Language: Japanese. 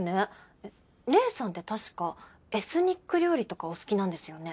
えっ麗さんってたしかエスニック料理とかお好きなんですよね？